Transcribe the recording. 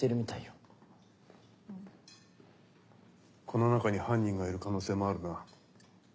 この中に犯人がいる可能性もあるな。